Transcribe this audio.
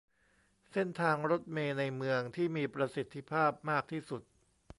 เส้นทางรถเมล์ในเมืองที่มีประสิทธิภาพมากที่สุด